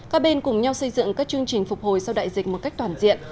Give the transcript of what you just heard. các bên cùng nhau xây dựng các chương trình phục hồi sau đại dịch một cách toàn diện